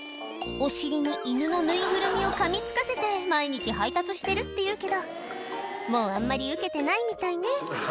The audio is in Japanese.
お尻に犬のぬいぐるみをかみつかせて毎日配達してるっていうけどもうあんまりウケてないみたいね